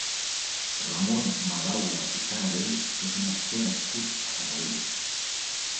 Ramon Madaula i Canadell és un actor nascut a Sabadell.